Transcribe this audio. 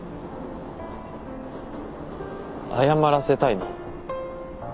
謝らせたいの？